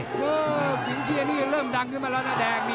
โอ้โหสิงเชียรี่เริ่มดังขึ้นมาแล้วนะแดง